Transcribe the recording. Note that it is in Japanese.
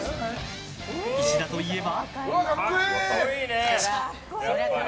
石田といえば。